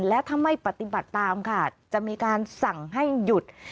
และถ้าไม่ปฏิบัติตามค่ะจะมีการสั่งให้หยุด